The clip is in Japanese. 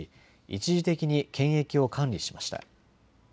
一時的に権益を管理しました。